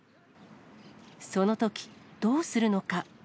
そのとき、どうするのか。